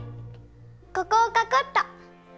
ここをかこっと！